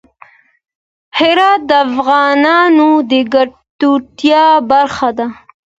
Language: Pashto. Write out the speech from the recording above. هرات د افغانانو د ګټورتیا برخه ده.